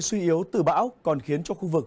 suy yếu từ bão còn khiến cho khu vực